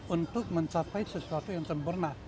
untuk mencapai sesuatu yang sempurna